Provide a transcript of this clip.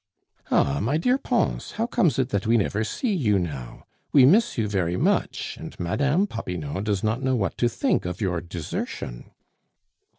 "Ah, my dear Pons, how comes it that we never see you now? We miss you very much, and Mme. Popinot does not know what to think of your desertion."